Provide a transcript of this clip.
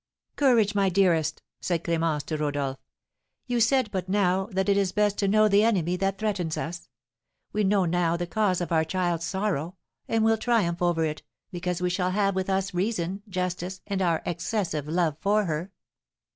"Courage, my dearest!" said Clémence to Rodolph. "You said but now that it is best to know the enemy that threatens us. We know now the cause of our child's sorrow, and will triumph over it, because we shall have with us reason, justice, and our excessive love for her."